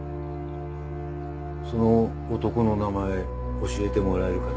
その男の名前教えてもらえるかな？